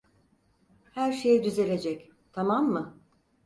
Her şey düzelecek, tamam mı?